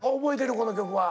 この曲は。